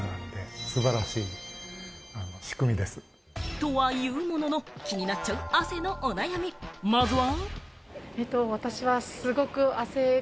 とはいうものの、気になっちゃう汗のお悩み、まずは。